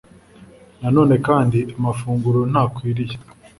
Na none kandi amafunguro ntakwiriye